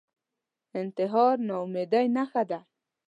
انتحار ناامیدۍ نښه ده